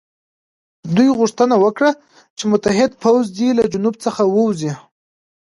دوی غوښتنه وکړه چې متحد پوځ دې له جنوب څخه ووځي.